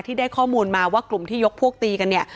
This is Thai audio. ได้ข้อมูลมาว่ากลุ่มที่ยกพวกตีกันเนี่ย